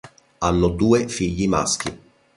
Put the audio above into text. Hanno due figli maschi.